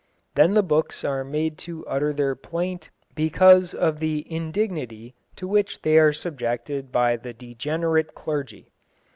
Then the books are made to utter their plaint because of the indignity to which they are subjected by the degenerate clergy.